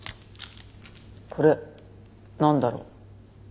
これなんだろう？